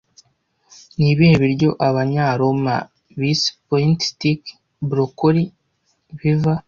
Ni ibihe biryo Abanyaroma bise Point Stick Broccoli - biva